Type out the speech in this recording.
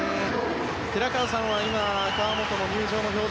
寺川さんは今川本の入場の表情